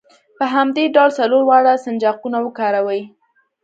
په همدې ډول څلور واړه سنجاقونه وکاروئ.